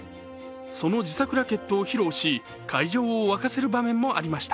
その自作ラケットを披露し会場を沸かせる場面もありました。